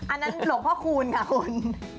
อันนั้นหลวงพ่อคูณค่ะคุณ